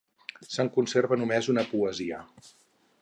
Se'n conserva només una poesia.